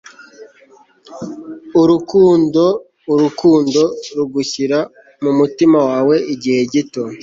Urukundo urukundo rugushyira mumutima wawe igihe gito